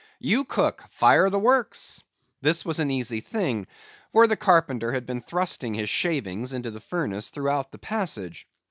You cook, fire the works." This was an easy thing, for the carpenter had been thrusting his shavings into the furnace throughout the passage.